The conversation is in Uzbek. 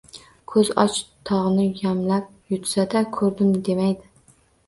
Ko`zi och tog`ni yamlab yutsa-da, ko`rdim demaydi